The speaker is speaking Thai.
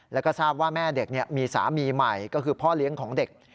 แล้วก็ทราบว่าแม่เด็กมีสามีใหม่ก็คือพ่อเลี้ยงของเด็ก